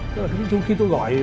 cái là tiếng chuông khi tôi gọi